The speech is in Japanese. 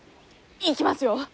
いきますよ。